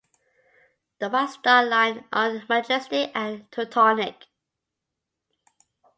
The White Star Line owned "Majestic" and "Teutonic".